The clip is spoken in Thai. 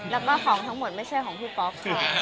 แล้วก็ของทั้งหมดไม่ใช่ของพี่ป๊อปค่ะ